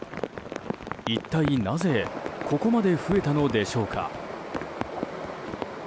一体なぜここまで増えたのでしょうか。